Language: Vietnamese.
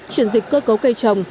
chuyển dịch cơ cấu cây trồng